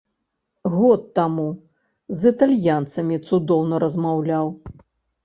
Год таму з італьянцамі цудоўна размаўляў.